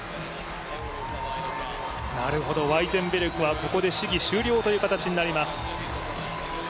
なるほど、ワイゼンベルグはここで試技終了という形となります。